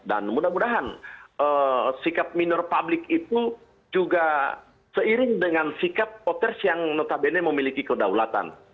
dan mudah mudahan sikap minor publik itu juga seiring dengan sikap poters yang notabene memiliki kedaulatan